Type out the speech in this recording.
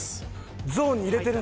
ゾーンに入れてるんだ今。